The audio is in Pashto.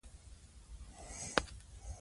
انګریزي لښکر به تېښته کوي.